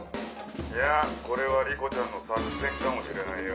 いやこれは莉子ちゃんの作戦かもしれないよ。